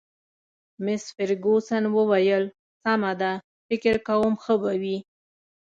مس فرګوسن وویل: سمه ده، فکر کوم ښه به وي.